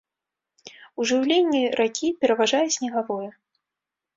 У жыўленні ракі пераважае снегавое.